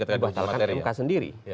dibatalkan mk sendiri